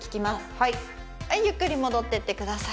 はいゆっくり戻ってってください